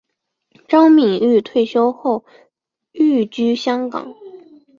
张敏钰退休后寓居香港。